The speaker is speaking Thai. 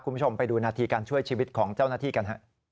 คุณผู้ชมไปดูนาทีการช่วยชีวิตของเจ้าหน้าที่กัน